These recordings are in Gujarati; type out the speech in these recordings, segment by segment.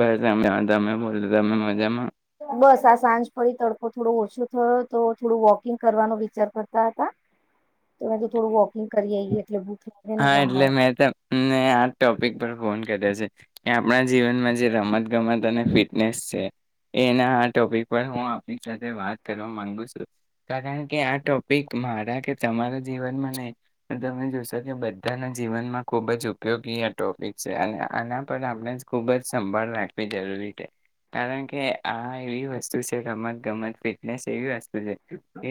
બસ તમે તમે બોલો તમે મજામાં બસ આ સાંજ ફરી તડકો થોડો ઓછો તો થોડું વોકિંગ કરવાનો વિચાર કરતા હતા તો મે તો થોડું વોકિંગ કરીઈ એટલેુક હા એટલે મેં તને આ ટોપિક પર ફોન કર્યો છે કે આપણા જીવનમાં જે રમત ગમત અને ફિટનેસ છે એના આ ટોપિક પર હું આપ સાથે વાત કરવા માંગુ છું કારણ કે આ ટોપિક મારા કે તમારા જીવનમાં નહી તમે બધાના જીવનમાં ખૂબ જ ઉપયોગી આ ટોપિક છે અને આના પર આપણે ખૂબ જ સંભાળ રાખવી જરૂરી છે કારણ કે આ એવી વસ્તુ છે ગમત ગમત ફિટનેસ એવી વસ્તુ છે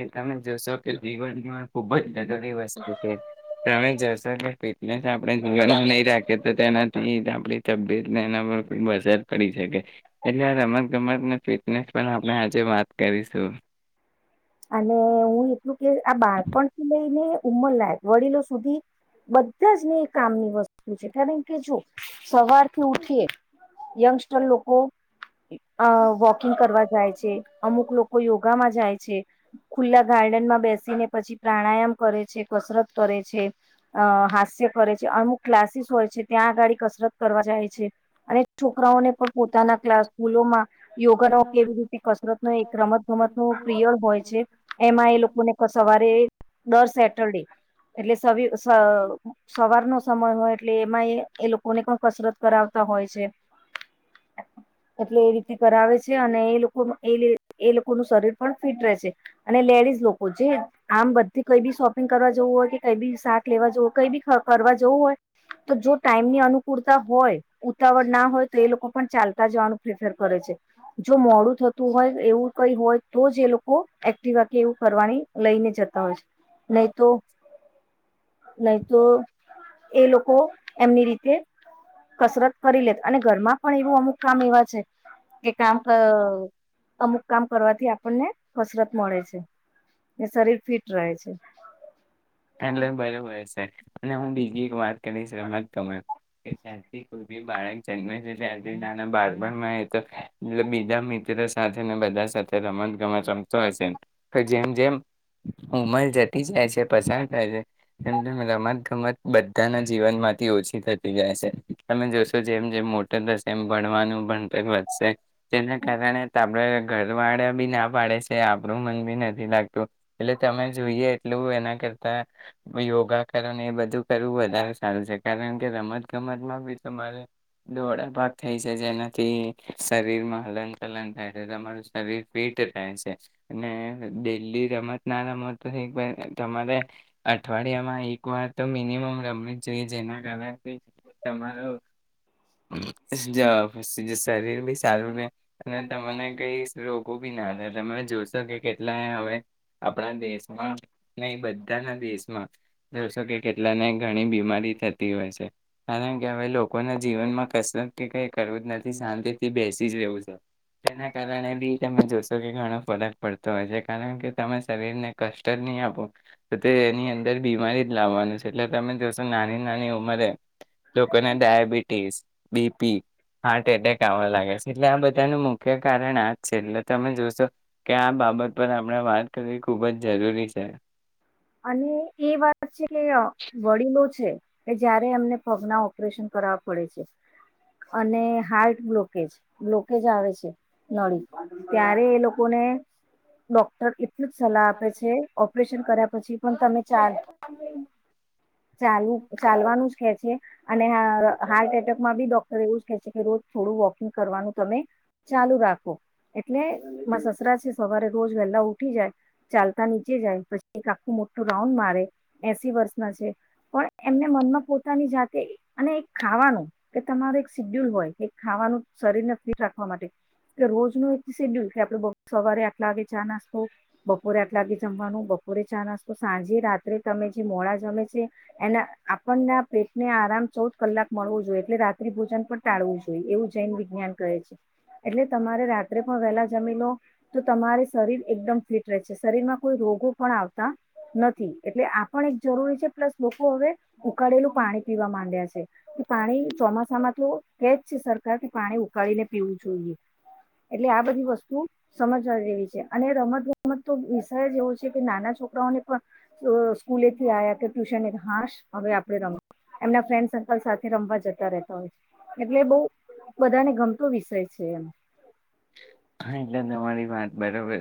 એ તમે જોશો કે જીવનની ખૂબ જ જરી વસ્તુ છે તમે જશો પણ ફટને આપણે નહી રાખે તો તેનાથી આપ તબત પર અસર પડી શકે એટલે આ રમત ગમત ફટને આપણે આજે વાત કરીશું. અને હું એટલું કે આ બાળપણથી લઈને ઉંમરલાાયક વડીલો સુધી બધા જ ને કામની વસ્તુ છે કારણ કે જો સવારથી ઉઠી યંગસ્ટર લોકો અ વોકિંગ કરવા જાય છે અમુક લોકો યોગામાં જાય છે. ખુલ્લા ગાર્ડન માં બેસીને પછી પ્રાણાયામ કરે છે કસરત કરે છે અ હાસ્ય કરે છે અમુક ક્લાસીસ હોય છે ત્યાં આગાડી કસરત કરવા જાય છે. અને છોકરાઓને પણ પોતાના ક્લાસ સ્કૂલોમાં યોગાનો કેવી રીતે કસરત ન એક રમત ગમત નો પ્રિયડ હોય એમાં એ લોકોને સવારે ડર સેટરડે એટલે સ સવાર નો સમય હોય એટલે એમાં એ એ લોકો ને કોણ કસરત કરાવતા હોય છે [inaudible] એટલે એ રીતે કરાવે છે, અને એ લોકો એ, એ, લોકોનું શરીર પણ ફિટ રે છે અને લેડીઝ લોકો જે આમ બધી કઈ બી શોપિંગ કરવા જવું હોય કે કઈ બી શાક લેવા જવું હોય કઈ બી કરવા જવું હોય તો જો ટાઈમ ની અનુકૂળતા હોય ઉતાવળ ના હોય તો એ લોકો પણ ચાલતા જવાનું પ્રેફર કરે છે જો મોડું થતું હોય એવું કઈ હોય તો જ એ લોકો એક્ટિવા વા કી એવું કરવાની લઈને જતા હોય છે નહી તો નહી તો એ લોકો એમની રીતે કસરત કરી લે અને ઘરમાં પણ એવું અમુક કામ એવા છે એ કામ અમુક કામ કરવા થી આપણને કસરત મળે છે ને શરીર ફિટ રહે છે એનલાઈન [unintelligible] હોય છે અને હું બીજી એક વાત કરીશ રમત ગમત કે તારથી કોઈ બી બાળક જન્મે છે તારથી નાના બાળપણમાં તો બીજા મિત્ર સાથેને બધા સાથે રમત ગમત રમતો હશે કે જેમ જેમ ઉમર જતી જાય છે પછડ મ રમત ગમત બધાના જીવન માંથી ઓછી થતી જાય છે, તમે જોશો જેમ જેમ મોટો થશે એમ ભણવાનું ભણતર વધશે તેના કારણે આપણે ઘર વાળા બી ના પાડે છે, આપણું મન બી નથી લાગતું એટલે તમે જોઈએ એટલું એના કરતા યોગા કરે ને એ બધું કરવું વધારે સારું છે, કારણ કે રમત ગમતમાં બી તમારે દોડાપાક થાય છે જેનાથી શરીરમાં હલન ચલન થાય છે તમારું શરીર ફિટ રહે છે અને ડેલી રમત ના રમત તમારે અઠવાડિયામાં એક વાર તો મિનિમમ રમવું જ જોઈએ જેના કારણે તમારું શરીર બી સારું રહે અને તને કઈ રોગો બી ના થાય તમે જોશો કે કેટલાય હવે આપણા દેશમાં ન બ ત્યાંના દેશમાં જોશો કે કેટલાને ઘણી બીમારી થતી હોય છે, કારણ કે હવે લોકોના જીવનમાં કસરત કે કઈ કરવું જ નથી શાંતિ થી બેસી જ રહેવું છે તેના કારણે બી તમે જોશો કે ઘણો ફરક પડતો હોય છે કારણ કે તમે શરીરને કષ્ટ નહી આપો તો તે એની અંદર બીમારી જ લાવવાનું છે એટલે તમે જોશો નાની નાની ઉંમરે લોકોને ડયાબિટીસ, બીપી હાર્ટ એટેક આવા લાગે છે એટલે આ બધાનું મુખ્ય કારણ આ જ છે, એટલે તમે જોશો કે આ બાબત પર આપણે વાત કરવી ખૂબ જ જરૂરી છે અને એ વાત છે કે વડીલો છે, કે જયારે એમને પગના ઓપરેશન કરવા પડે છે, અને હાર્ટ બ્લોકેજ બ્લોકેજ આવે છે, નળી ત્યારે એ લોકોને ડોક્ટર એટલું જ સલાહ આપે છે ઓપરેશન કર્યા પછી પણ તમે ચાલ ચાલવાનું જ કે છે અને હ હાર્ટ એટેકમાંબી ડોક્ટર એવું જ કેહે છે કે રોજ થોડું વોકિંગ કરવાનું તમે ચાલુ રાખો એટલે માંર સસરા છે સવારે રોજ વહેલા ઉઠી જાય ચાલતા નીચે જાય પછી એક આખું મોટું રાઉન્ડ મારે, એસી વર્ષના છે, પણ એમને મનમાં પોતાની જાતે અને એક ખાવાનું કે તમારું એક સેડ્યુલ હોય એક ખાવાનું શરીરને ફિટ રાખવા માટે કે રોજ ન નુ એક સેડ્યુલ કે આપડે સવારે આટલા વાગે ચા નાસ્તો, બપોરે આટલા વાગે જમવાનું, બ ચા-નાસ્તો સાંજે રાત્રે તમે જે મોડા જમે છે એના આપણના પેટને આરામ ચૌદ કલાક મળવો જોઈએ એટલે રાત્રિ ભોજન પણ ટાળવું જોઈએ એવું જૈન વિજ્ઞાન કહે છે એટલે તમારે રાત્રે પણ વહેલા જમી લો તો તમારે શરીર એકદમ ફિટ રહે છે શરીરમાં કોઈ રોગો પણ આવતા નથી એટલે આ પણ એક જરૂરી છે પ્લસ લોકો હવે ઉકાળેલું પાણી પીવા માંડ્યા છે કે પાણી ચોમાસામાં તો કે જ છે સરકાર કે પાણી ઉકાળીને પીવું જોઈએ એટલે આ બધી વસ્તુ સમજવા જેવી છે અને રમત ગમત તો વિષય જ એવો કે નાના છોકરાઓને પણ સ્કૂલેથી આ્યા કે ટ્યુશન હાશ હવે આપણે રમ એમના ફ્રેન્ડ સર્કલ સાથે રમવા જતા રહેતા હોય છે એટલે એ બહુ બધાને ગમતો વિષય છે એમ હા એટલે તમારી વાત બરોબર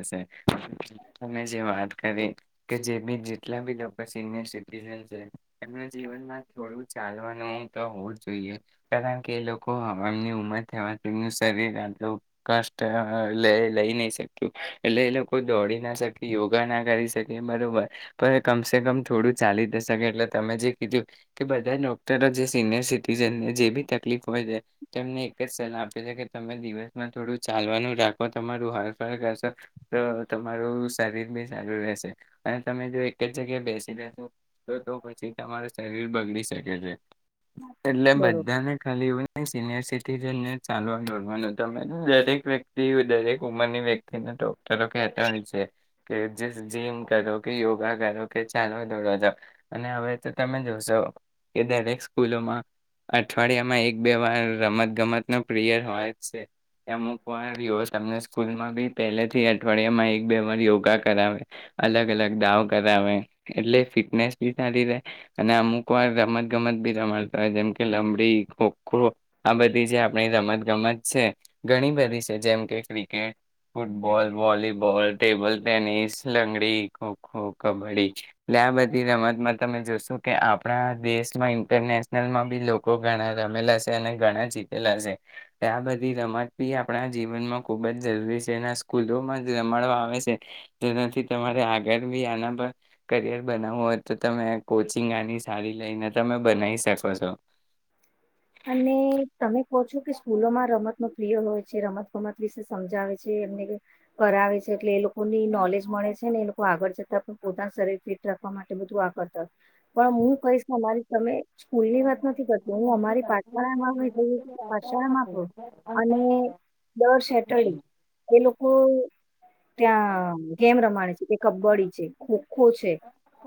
તમે જે વાત કરી કે જે જેટલા બી લોકો સિનયર સીટીઝન છે એમને જીવનમાં થોડું ચાલવાનું તો હોવું જોઈએ કારણ કે એ લોકો હમની ઉમર થવાથીનું શરીર આટલું ક લ લઈ નહી શક્યું એટલે એ લોકો દોડી ના શકે, યોગા ના કરી શકે, બરોબર પણ કમસે કમ થોડું ચાલી જ શકે એટલે તમે જે કીધું કે બધા ડોક્ટરો જે સિનિયર સિટીઝનને જે બી તકલીફ હોય છે તેમને એક જ સલાહ આપી છે કે તમે દિવસમાં થોડું ચાલવાનું રાખો તમારું [unintelligible] કરશો તો તમારું શરીર બી સારું રહેશે અને તમે જો એક જ જગ્યાએ બેસી લેશો તો તો પછી તમારું શરીર બગડી શકે છે એટલે બરોબર બધાને ખાલી સિનિયર સિટીઝન ને ચાલવા જોડવાનું ત એક વ્યતિ [unintelligible] દરેક ઉંમરની વ્યક્તિ તે ડોક્ટરો કહેતા હોય છે કે જીમ કરો કે યોગા કરો કે ચાલો દોડ જાાવ અને હવે તો તમે જોશો કે દરેક સ્કૂલોમાં અઠવાડિયામાં એક બે વાર રમત ગમત ન પ્રિયર હોય છે. અમુક વાર તમને સ્કૂલમાં બી પહેલેથી અઠવાડિયામાં એક બે વાર યોગા કરાવે અલગ અલગ દાવ કરાવે એટલે ફિટનેસ બી સારી રહે અને અમુક વાર રમત ગમત બી રમાતા હોય જેમ કે લંમડી ખોખો આ બધી જે આપણી રમત ગમત છે. ઘણી બધી છે જેમ કે cricket football volleyball table tennis લંગડી ખોખો કબડ્ડી એલે આ બધી રમતમાં તમે જોશો કે આપણા દેશમાં ઇન્ટરનેશનલમાં બી લોકો ઘણા રમેલા છે અને ઘણા જીતેલા છે ત આ બધી રમત બી આપણા જીવનમાં ખૂબ જ જરૂરી છે એના સ્કૂલોમાં જ રમાડવા આવે છે જેનાથી તમારે આગળ બી આના પર કરિયર બનાવવું હોય તો તમે કોચિંગ આની સારી લઈને તમે બનાવી શકો છો. અને તમે કહો છો કે સ્કૂલોમાં રમત ન પ્રિય હોય છે રમત ગમત વિશે સમજાવે છે એમને કરાવે છે એટલે એ લોકોની નોલેજ મળે છે ને એ લોકો આગળ જતા પણ પોતાના શરીર ફિટ રાખવા માટે બધું આ કરતા. પણ હું કહીશ તમારી તમે સ્કૂલ ની વાત નથી કરતો હું અમારી [unintelligible] પછમાંખું અને દર સેટરડે એ લોકો ત્યાં ગેમ રમાણે છે કે કબડ્ડી છે ખોખો છે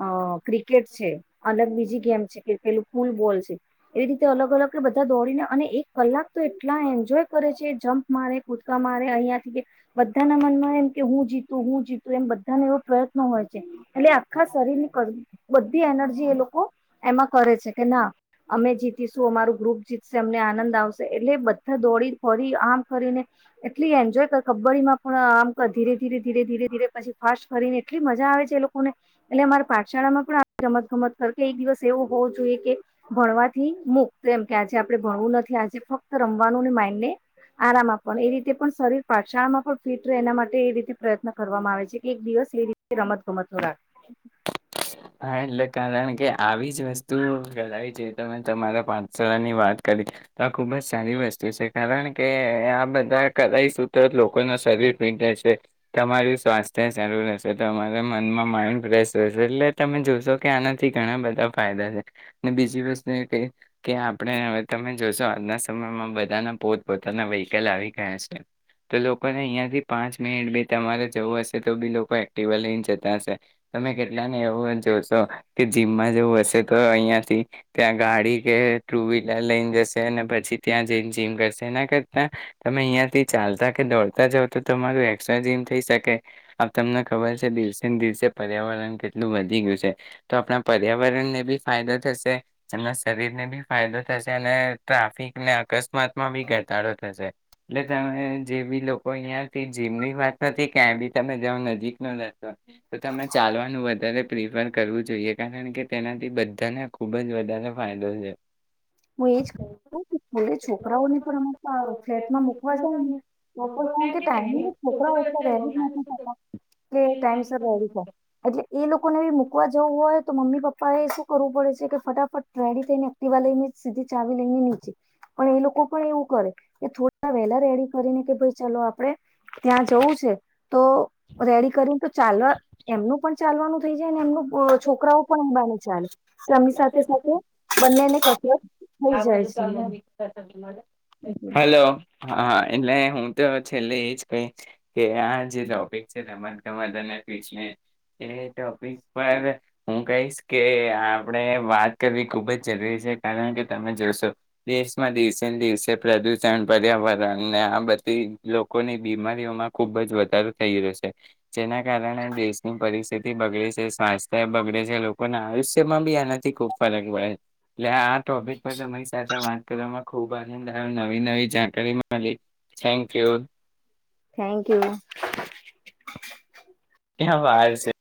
અ ક્રિકેટ છે અલગ બીજી ગેમ છે કે પેલું ફૂલબોલ છે એવી રીતે અલગ અલગ બધા દોડીને અને એક કલાક તો એટલા એન્જોય કરે છે જમ્પ મારે કૂદકા મારે અહિયાં થી કે બધાના મનમાં એમ કે હું જીતું હું જીતું એમ બધાને એવો પ્રયત્ન હોય છે એટલે આખા શરીરની બધી એનર્જી એ લોકો એમાં કરે છે કે ના અમે જીતીશું અમારું ગ્રુપ જીતશે અમને આનંદ આવશે એટલે બધા દોડી ફરી આમ કરીને એટલી એન્જોય કર કબ્ડી માં પણ આમ ધીરે ધીરે ધીરે ધીરે ધીરે પછી ફાસ્ટ કરીને એટલી મજા આવે છે એ લોકોને એટલે અમારા પાઠશાળામાં પણ રમત ગમત કર કે એક દિવસ એવો હોવો જોઈએ કે ભણવાથી મૂક એમ કે આજે આપણે ભણવું નથી આજે ફક્ત રમવાનું માઇન્ડને આરામ આપવાનું એ રીતે પણ શરીર પાઠશાળામાં પણ ફીટ રહે એના માટે એ રીતે પ્રયત્ન કરવામાં આવે છે કે એક દિવસ એ રીતે રમત ગમત રાખ હા એટલે કારણ કે આવી જ વસ્તુ કરાવવી જોઈએ તમે તમારા પાઠશાળા ની વાત કરી તો આ ખુબ જ સારી વસ્તુ છે કારણ કે આ બધા કરી સત્ર લોકો ન શરીર ફિટ રહેશે તમારું સ્વાસ્થ્ય સારું રહેશે તમારા મનમાં માઇન્ડ ફ્રેશ રહેશે. એટલે તમે જોશો કે આનાથી ઘણા બધા ફાયદા છે અનેને બીજી વસ્તુ એ ક કે આપણે હવે તમે જોશો આજના સમયમાં બધાના પોત પોોતાના વ્હીકલ આવી ગયા છે તો લોકોને અહીંયાથી પાંચ મિનિટ બી તમારે જવું હશે તો બી લોકો એક્ટિવ લઈને જતા હશે તમે પેલાને એવું જોશો કે જીમમાં જેવું હશે, તો અહિયાંથી ત્યાં ગાડી કે ટુ-વ્હીલર લઈને જશે, અને પછી ત્યાં જઈને જીમ કરશે. એના કરતા તમે અહિયાંથી ચાલતા કે દોડતા જાવ, તો તમારું એસ્ટ્રા જીમ થઈ શકે. આ તમને ખબર છે, દિવસે ને દિવસે પર્યાવરણ કેટલું વધી ગયું છે, તો આપણા પર્યાવરણને બી ફાયદો થશે, એમના શરીરને બી ફાયદો થશે, અને ટ્રાફિક ને અકસ્માતમાં બી ઘટાડો થશે. એટલે તમે જેવી લો. કોઈ અહિયાંથી જીમની વાત નથી, ક્યાંય બી. તમે જાવ, નજીક ન જતો તો, તમે ચાલવાનું વધ પ્રિફર કરવું જોઈએ કારણ કે, તેનાથી બધાને ખુબ જ વધારે ફાયદો છે. હું એ જ કહું છું, છોકરાઓની પણ ફ્લેટમાં મુકવા જાય ને કે ટાઈમ, છોકરા એટલા રેડી જ નથી થતા કે ટાઈમસર જ, એટલે એ લોકો ને હો મૂકવા જવું હોય, તો મમ્મી-પપ્પા એ શું કરવું પડે? કે ફટાફટ ર્રેડી થઈને એક્ટિવા લઈને સીધી ચાવી લઈને નીચે. પણ એ લોકો પણ એવું કરે કે, થોડા વહેલા રેડી કરીને કે, ભાઈ, ચાલો, આપણે ત્યાં જવું છે, તો રેડી કરું તો, ચાલ એમનું પણ ચાલવાનું થઈ જાય ને, એમના છોકરાઓ પણ [unintelligible] ચાલે સ્વામી સાથે-સાથે બંનેને કસરત થઈ જાય છે હલો હા, હા એટલે હું ત છેલ્લે એજ કહીશ કે આ જે ટોપિક છે, રમત-ગમત અને ફ્ય એ ટોપિક પર હું કઈક કે આપ વાત કરવી ખૂબ જ જરૂરી છે, કારણ કે તમે જોશો દેશમાં દિવસે ને દિવસે પ્રદૂષણ પર્યાવરણ ને આ બધી લોકોની બીમારીઓમાં ખુબ જ વધારો થઈ રહ્યો છે. જેના કારણે દેશની પરિસ્થિતિ તી બગલે છે, સ્વાસ્થ્ય બગડે છે લો- પણ આયુષ્યમાં બી આનાથી ખુબ ફરક પડે એટલે આ ટોપિક પર તમારી સાથે વાત કરવામાં ખૂબ આનંદ આયો નવી-નવી જાણકારી મળી, થેન્ક યુ. Thank you. ક્યાં વાર છે.